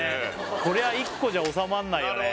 こりゃ１個じゃおさまんないよね